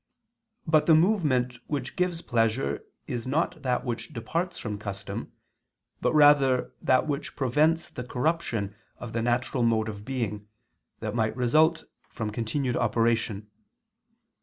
But the movement which gives pleasure is not that which departs from custom, but rather that which prevents the corruption of the natural mode of being, that might result from continued operation.